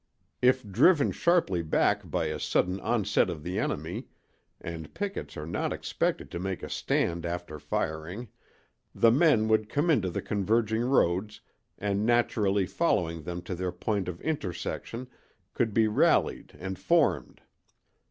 If driven sharply back by a sudden onset of the enemy—and pickets are not expected to make a stand after firing—the men would come into the converging roads and naturally following them to their point of intersection could be rallied and "formed."